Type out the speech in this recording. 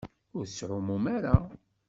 Ur tettɛummum ara?